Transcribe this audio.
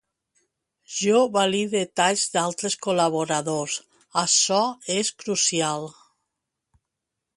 Jo valide talls d'altres col·laboradors, açò és crucial.